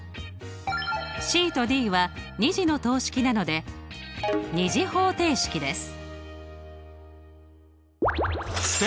ＣとＤは２次の等式なので２次方程式です。